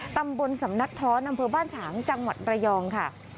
ตำบลสำนักท้อนอำเภอบ้านฉางจังหวัดระยองค่ะ